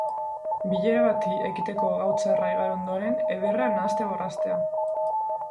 Bilera bati ekiteko gau txarra igaro ondoren, ederra nahaste-borrastea!